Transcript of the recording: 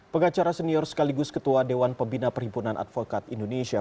pengacara senior sekaligus ketua dewan pembina perhimpunan advokat indonesia